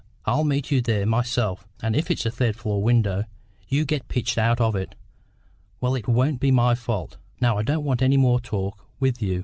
I'll meet you there myself, and if it's a third floor window you get pitched out of, well, it won't be my fault. Now I don't want any more talk with you.